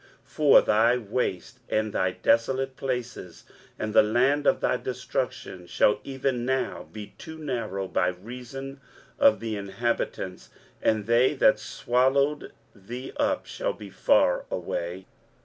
23:049:019 For thy waste and thy desolate places, and the land of thy destruction, shall even now be too narrow by reason of the inhabitants, and they that swallowed thee up shall be far away.